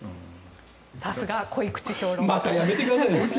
さすが濃い口評論家。